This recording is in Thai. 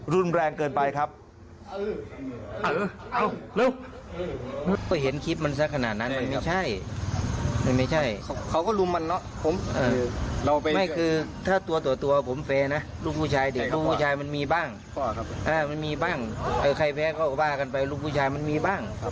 รุนแรงเกินไปครับ